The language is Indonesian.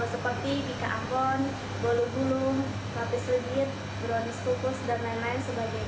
seperti bika angkon bolu bulung papi sergit buruanis kukus dan lain lain